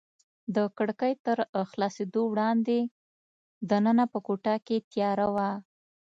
د کړکۍ تر خلاصېدو وړاندې دننه په کوټه کې تیاره وه.